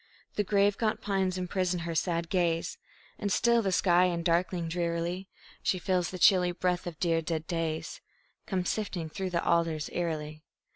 The grave, gaunt pines imprison her sad gaze, All still the sky and darkling drearily; She feels the chilly breath of dear, dead days Come sifting through the alders eerily.